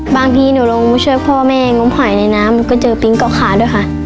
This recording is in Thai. บางทีหนูลงมาช่วยพ่อแม่งมหอยในน้ำหนูก็เจอปิ๊งเกาะขาด้วยค่ะ